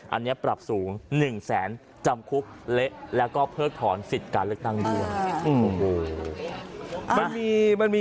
อันนี้ปรับสูง๑แสนจำคุกเละแล้วก็เพิกถอนสิทธิ์การเลือกตั้งด้วย